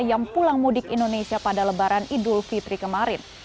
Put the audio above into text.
yang pulang mudik indonesia pada lebaran idul fitri kemarin